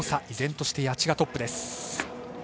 依然として谷地がトップです。